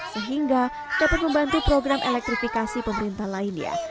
sehingga dapat membantu program elektrifikasi pemerintah lainnya